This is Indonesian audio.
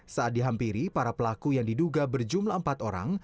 saat dihampiri para pelaku yang diduga berjumlah empat orang